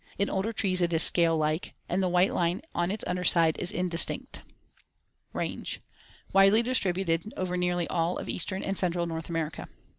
In older trees it is scale like, Fig. 12(b), and the white line on its under side is indistinct. Range: Widely distributed over nearly all of eastern and central North America.